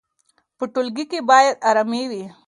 په ټولګي کې باید ارامي وي.